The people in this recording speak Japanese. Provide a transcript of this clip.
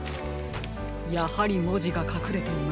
やはりもじがかくれていましたか。